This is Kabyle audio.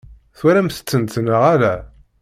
Twalamt-tent neɣ ala?